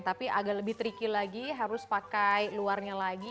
tapi agak lebih tricky lagi harus pakai luarnya lagi